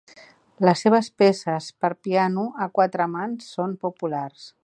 Les seves peces per a piano a quatre mans són populars.